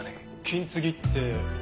金継ぎって？